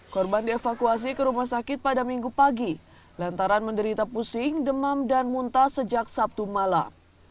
korban dievakuasi ke rumah sakit pada minggu pagi lantaran menderita pusing demam dan muntah sejak sabtu malam